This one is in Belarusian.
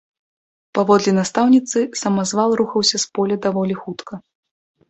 Паводле настаўніцы, самазвал рухаўся з поля даволі хутка.